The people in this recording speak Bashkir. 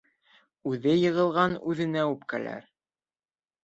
Үҙе йығылған үҙенә үпкәләр.